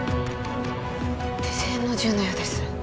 手製の銃のようです